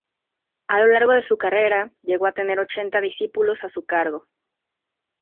A lo largo de su carrera llegó a tener ochenta discípulos a su cargo.